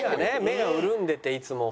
目が潤んでていつも。